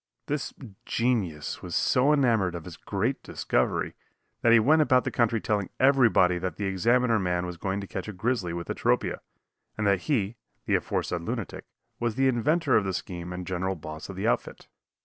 This genius was so enamored of his great discovery that he went about the country telling everybody that the Examiner man was going to catch a grizzly with atropia, and that he (the aforesaid lunatic) was the inventor of the scheme and general boss of the outfit.